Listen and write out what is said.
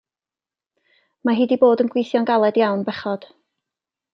Mae hi 'di bod yn gweithio'n galed iawn bechod.